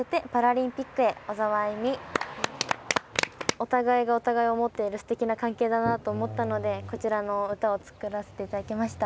お互いがお互いを思っているすてきな関係だなと思ったのでこちらの歌を作らせて頂きました。